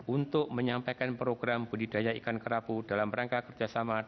untuk menyampaikan program budidaya ikan kerabu dalam rangka kerjasama dan perusahaan